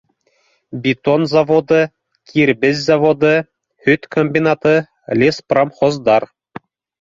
Бетон заводы, кир бес заводы, һөт комбинаты, леспромхоздар